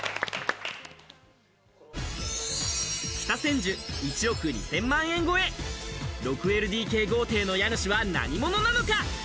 北千住１億２０００万円超え、６ＬＤＫ豪邸の家主は何者なのか？